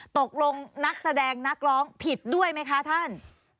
ตกลงนักแสดงนักร้องผิดด้วยไหมคะท่าน